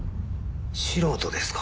素人ですか？